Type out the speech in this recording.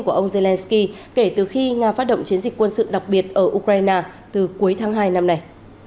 của ông zelensky kể từ khi nga phát động chiến dịch quân sự đặc biệt ở ukraine từ cuối tháng hai năm nay